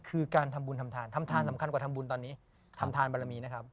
คือการทำบุญทำทานทำทานสำคัญกว่าทำบุญตอนนี้ทำทานบารมีนะครับ